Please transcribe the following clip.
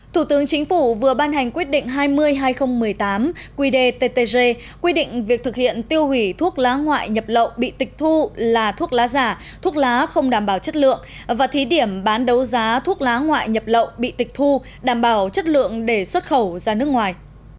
thủ tướng chính phủ vừa ban hành quyết định hai mươi hai nghìn một mươi tám qdttg quy định việc thực hiện tiêu hủy thuốc lá ngoại nhập lậu bị tịch thu là thuốc lá giả thuốc lá không đảm bảo chất lượng và thí điểm bán đấu giá thuốc lá ngoại nhập lậu bị tịch thu đảm bảo chất lượng để xuất khẩu ra nước ngoài